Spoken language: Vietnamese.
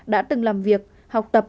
đã từng làm việc học tập